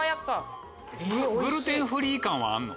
グルテンフリー感はあんの？